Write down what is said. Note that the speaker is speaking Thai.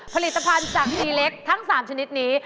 ผลิตภัณฑ์จากทีเล็กทั้ง๓ชนิดนี้